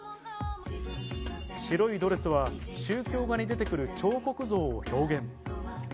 白いドレスは宗教画に出てくる彫刻像を表現。